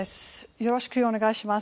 よろしくお願いします。